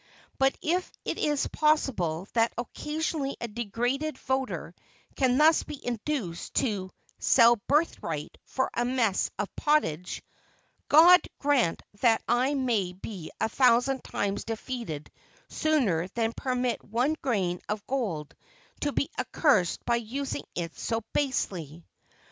But if it is possible that occasionally a degraded voter can thus be induced to "sell his birthright for a mess of pottage," God grant that I may be a thousand times defeated sooner than permit one grain of gold to be accursed by using it so basely!